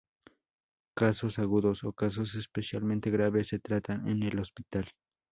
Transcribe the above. Casos agudos o casos especialmente graves se tratan en el hospital.